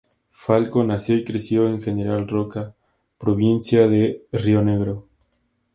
Falcó nació y creció en General Roca, provincia de Río Negro.